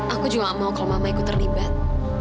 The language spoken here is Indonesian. aku juga tidak mau kalau mama terlibat